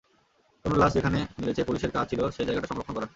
তনুর লাশ যেখানে মিলেছে, পুলিশের কাজ ছিল সেই জায়গাটা সংরক্ষণ করা।